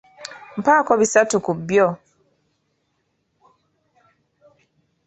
Mpaako bisatu ku byo.